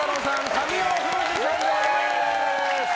神尾楓珠さんです。